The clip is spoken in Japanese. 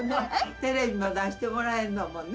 テレビも出してもらえんのもね